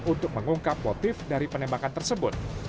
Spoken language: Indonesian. untuk mengungkap motif dari perangkat